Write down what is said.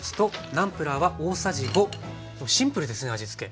シンプルですね味つけ。